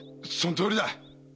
そのとおりだ。